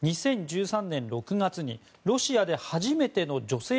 ２０１３年６月にロシアで初めての女性